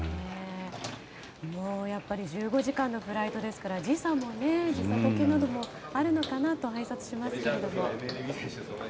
やっぱり１５時間のフライトですから時差ボケなどもあるのかなと拝察しますけれども。